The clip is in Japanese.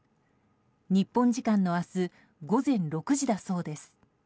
日本時間の明日午前６時だそうです。